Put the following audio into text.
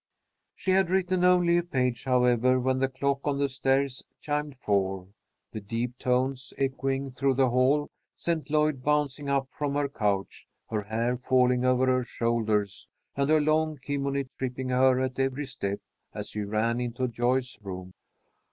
She had written only a page, however, when the clock on the stairs chimed four. The deep tones echoing through the hall sent Lloyd bouncing up from her couch, her hair falling over her shoulders and her long kimono tripping her at every step, as she ran into Joyce's room.